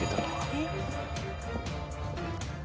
えっ？